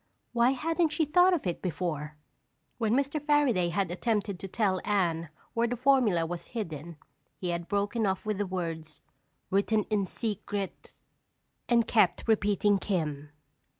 Why hadn't she thought of it before? When Mr. Fairaday had attempted to tell Anne where the formula was hidden he had broken off with the words: "Written in secret—" and kept repeating "Kim."